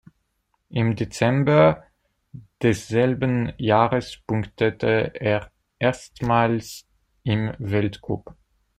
Im Dezember desselben Jahres punktete er erstmals im Weltcup.